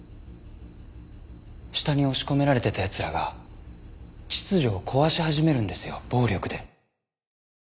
下に押し込められてた奴らが秩序を壊し始めるんですよ暴力で。